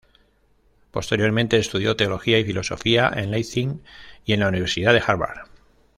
Posteriormente estudió teología y filosofía en Leipzig y en la Universidad de Harvard.